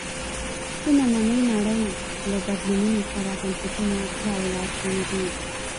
د نننۍ نړۍ له بدلونونو سره بنسټونه راولاړ شوي دي.